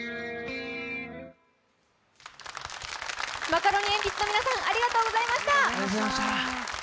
マカロニえんぴつの皆さん、ありがとうございました。